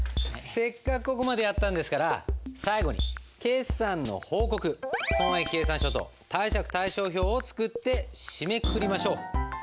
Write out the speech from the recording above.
せっかくここまでやったんですから最後に決算の報告損益計算書と貸借対照表を作って締めくくりましょう。